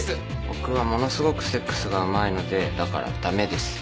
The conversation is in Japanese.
僕はものすごくセックスがうまいのでだからだめです。